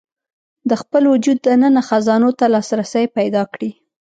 د خپل وجود دننه خزانو ته لاسرسی پيدا کړي.